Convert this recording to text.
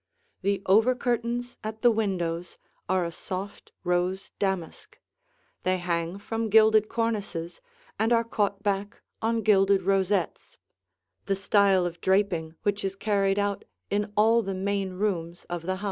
The over curtains at the windows are a soft rose damask; they hang from gilded cornices and are caught back on gilded rosettes, the style of draping which is carried out in all the main rooms of the house.